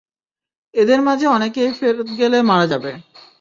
এদের মাঝে অনেকেই ফেরত গেলে মারা যাবে।